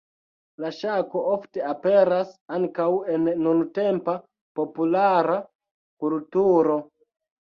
La ŝako ofte aperas ankaŭ en nuntempa populara kulturo.